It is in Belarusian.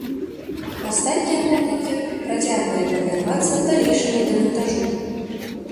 Астатнія помнікі працягвалі падвяргацца далейшаму дэмантажу.